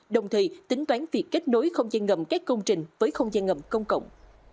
đồng thời tính toán việc kết nối không gian ngầm các công trình với không gian ngầm công cộng